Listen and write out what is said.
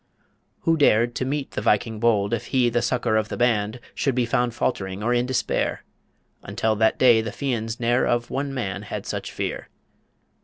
Who dared To meet the Viking bold, if he The succour of the band, should be Found faltering or in despair? Until that day the Fians ne'er Of one man had such fear.